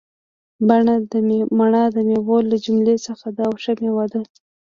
مڼه دمیوو له جملي څخه ده او ښه میوه ده